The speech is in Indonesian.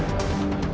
aku mau berjalan